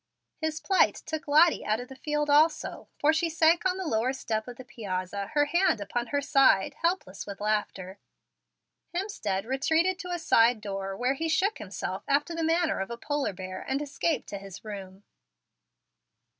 His plight took Lottie out of the field also, for she sank on the lower step of the piazza, her hand upon her side, helpless with laughter. Hemstead retreated to a side door, where he shook himself after the manner of a polar bear, and escaped to his room.